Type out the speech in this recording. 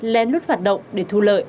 len lút hoạt động để thu lợi